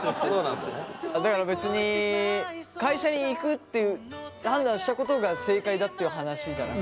だから別に会社に行くっていう判断したことが正解だっていう話じゃない。